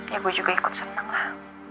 ya gue juga ikut senang lah